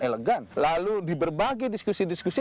elegan lalu di berbagai diskusi diskusi